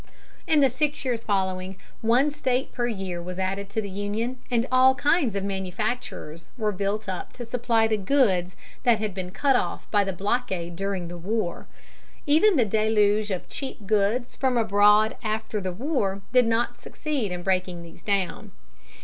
In the six years following, one State per year was added to the Union, and all kinds of manufactures were built up to supply the goods that had been cut off by the blockade during the war. Even the deluge of cheap goods from abroad after the war did not succeed in breaking these down.